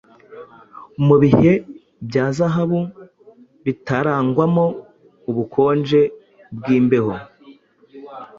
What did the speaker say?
Mubihe bya zahabu, Bitarangwamo ubukonje bwimbeho,